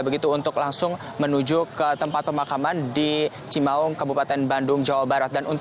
begitu untuk langsung menuju ke tempat pemakaman di cimaung kabupaten bandung jawa barat